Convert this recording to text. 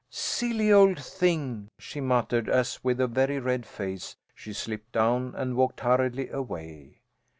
"Silly old thing!" she muttered, as with a very red face she slipped down and walked hurriedly away.